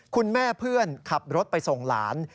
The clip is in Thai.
คุณแม่เพื่อนขับรถไปส่งหลาน